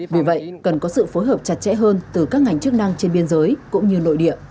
vì vậy cần có sự phối hợp chặt chẽ hơn từ các ngành chức năng trên biên giới cũng như nội địa